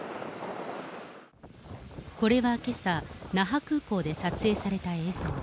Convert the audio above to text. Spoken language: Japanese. これはけさ、那覇空港で撮影された映像。